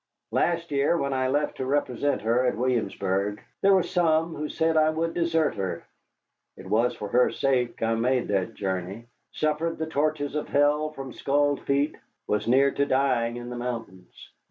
Last year when I left to represent her at Williamsburg there were some who said I would desert her. It was for her sake I made that journey, suffered the tortures of hell from scalded feet, was near to dying in the mountains.